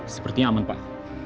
sepertinya aman pak